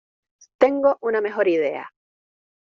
Tengo una mejor idea.